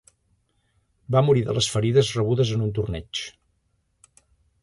Va morir de les ferides rebudes en un torneig.